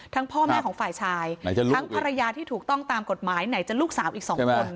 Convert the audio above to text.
พ่อแม่ของฝ่ายชายทั้งภรรยาที่ถูกต้องตามกฎหมายไหนจะลูกสาวอีกสองคน